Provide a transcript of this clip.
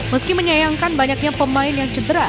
meski menyayangkan banyaknya pemain yang cedera